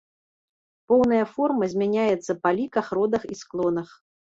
Поўная форма змяняецца па ліках, родах і склонах.